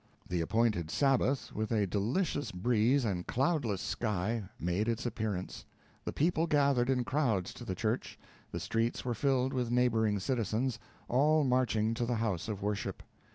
The appointed Sabbath, with a delicious breeze and cloudless sky, made its appearance. The people gathered in crowds to the church the streets were filled with neighboring citizens, all marching to the house of worship.